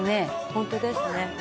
「ホントですね」